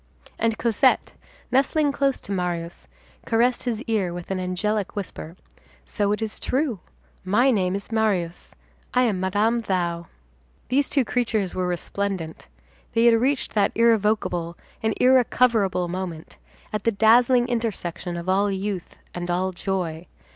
And Cosette, nestling close to Marius, caressed his ear with an angelic whisper: "So it is true. My name is Marius. I am Madame Thou." These two creatures were resplendent. They had reached that irrevocable and irrecoverable moment, at the dazzling intersection of all youth and all joy.